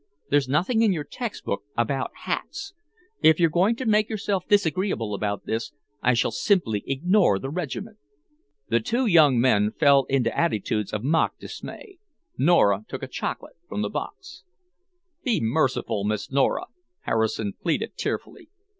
There's nothing in your textbook about hats. If you're going to make yourselves disagreeable about this, I shall simply ignore the regiment." The two young men fell into attitudes of mock dismay. Nora took a chocolate from a box. "Be merciful, Miss Nora!" Harrison pleaded tearfully.